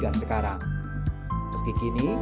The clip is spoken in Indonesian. kalau kakak pesengit ini